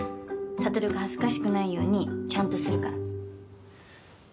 悟が恥ずかしくないようにちゃんとするから。